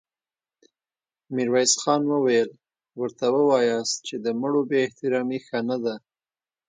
ميرويس خان وويل: ورته وواياست چې د مړو بې احترامې ښه نه ده.